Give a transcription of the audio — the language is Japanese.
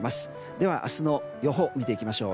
では、明日の予報を見ていきましょう。